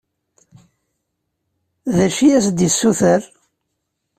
D acu i as-d-yessuter?